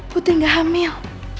putri gak hamil